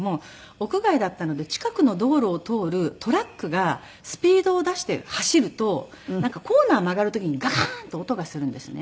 屋外だったので近くの道路を通るトラックがスピードを出して走るとなんかコーナー曲がる時にガガーン！と音がするんですね。